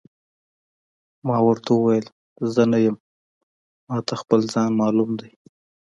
ما ورته وویل: زه نه یم، ما ته خپل ځان معلوم دی.